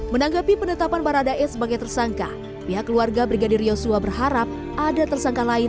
menanggapi penetapan baradae sebagai tersangka pihak keluarga brigadir yosua berharap ada tersangka lain